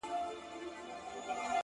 o نه ـنه محبوبي زما ـ